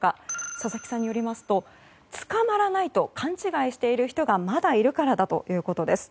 佐々木さんによりますと捕まらないと勘違いしている人がまだいるからだということです。